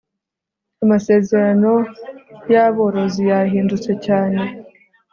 amasezerano ya borozi yahindutse cyane